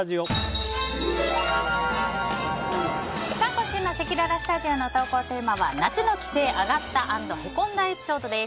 今週のせきららスタジオの投稿テーマは夏の帰省アガった＆へこんだエピソードです。